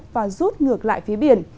và rút ngược lại phía biển